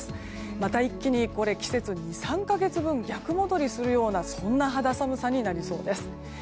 また一気に季節２３か月分逆戻りするようなそんな肌寒さになりそうです。